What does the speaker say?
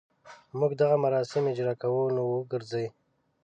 موږ دغه مراسم اجراء کوو نو وګرځي.